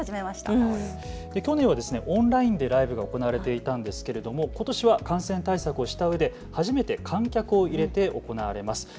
去年はオンラインでライブが行われたんですが、ことしは感染対策をしたうえで初めて観客を入れて行われます。